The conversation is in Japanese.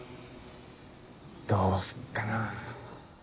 どうすっかな。